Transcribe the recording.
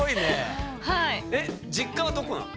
実家はどこなの？